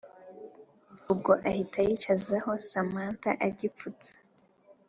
ubwo ahita yicazaho samantha agipfutse